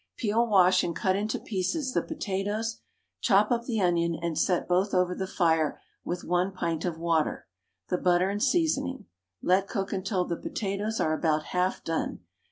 Peel, wash, and cut into pieces the potatoes; chop up the onion, and set both over the fire with 1 pint of water, the butter and seasoning; let cook until the potatoes are about half done.